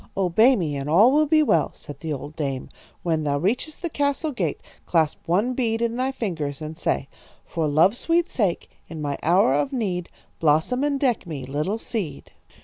"'Obey me and all will be well,' said the old dame. 'When thou reachest the castle gate clasp one bead in thy fingers and say: "'"For love's sweet sake, in my hour of need, Blossom and deck me, little seed."